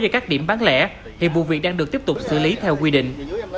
cho các điểm bán lẻ hiện vụ việc đang được tiếp tục xử lý theo quy định